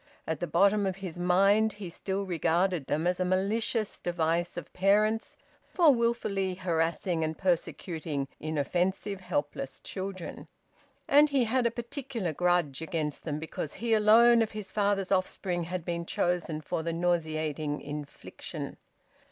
At the bottom of his mind he still regarded them as a malicious device of parents for wilfully harassing and persecuting inoffensive, helpless children. And he had a particular grudge against them because he alone of his father's offspring had been chosen for the nauseating infliction.